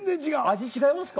味違いますか？